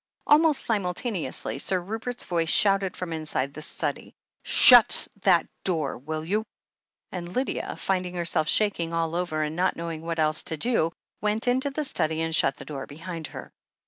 Almost simultaneously Sir Rupert's voice shouted from inside the study : ^'Shut that door, will you ?" and Lydia, finding her self shaking all over, and not knowing what else to do, went into the study and shut the door behind her.